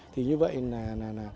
thì như vậy là